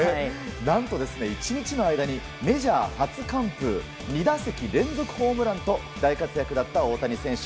何と、１日の間にメジャー初完封２打席連続ホームランと大活躍だった大谷選手。